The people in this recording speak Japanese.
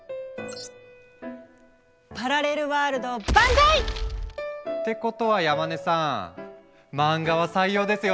パラレルワールド万歳！ってことは山根さん漫画は採用ですよね？